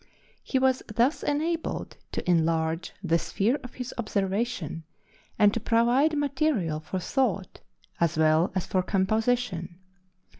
He was thus enabled to enlarge the sphere of his observation, and to provide material for thought as well as for composition.